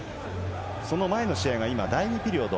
その前の試合が第２ピリオド。